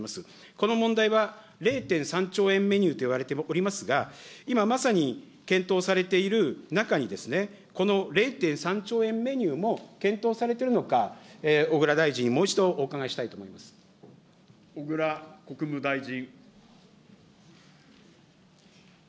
この問題は０．３兆円メニューといわれておりますが、今まさに検討されている中にですね、この０．３兆円メニューも検討されてるのか、小倉大臣にもう一度お伺いし小倉国務大臣。